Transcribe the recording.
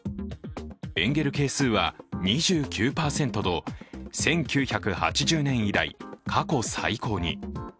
エンゲル係数は２９％と１９８０年以来過去最高に。